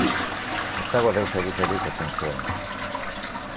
Ez dago deus egiterik, esan zuen.